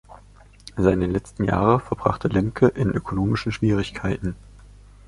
Seine letzten Jahre verbrachte Lemke in ökonomischen Schwierigkeiten.